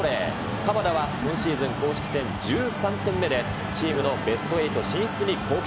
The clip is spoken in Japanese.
鎌田は今シーズン公式戦１３点目で、チームのベスト８進出に貢献。